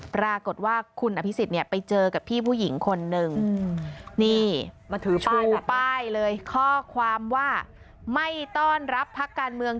ปรากฏว่าคุณอภิษฎิไปเจอกับพี่ผู้หญิงคนนึง